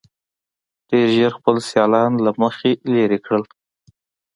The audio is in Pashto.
ډېر ژر خپل سیالان له مخې لرې کړل.